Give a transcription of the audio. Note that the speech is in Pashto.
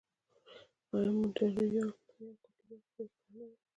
آیا مونټریال یو کلتوري او اقتصادي ښار نه دی؟